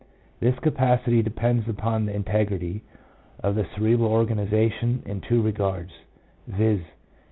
This capacity depends upon the integrity ... of the cerebral organisation in two regards — viz.